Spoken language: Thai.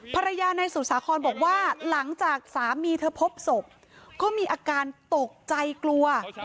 ภรรยานายสุสาครบอกว่าหลังจากสามีเธอพบศพก็มีอาการตกใจกลัว